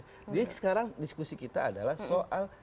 jadi sekarang diskusi kita adalah soal